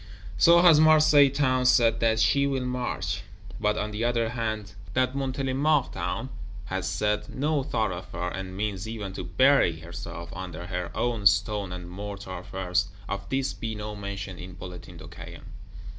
So has Marseilles Town said that she will march. But on the other hand, that Montélimart Town has said, No thoroughfare; and means even to "bury herself" under her own stone and mortar first, of this be no mention in Bulletin de Caen.